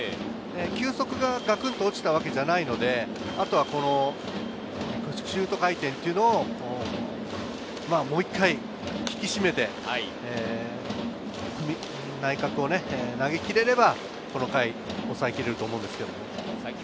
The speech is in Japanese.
球速がガクンと落ちたわけではないので、シュート回転をもう１回引き締めて内角に投げ切れれば、この回、抑え切れると思います。